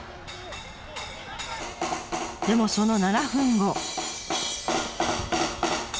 でもその７分後。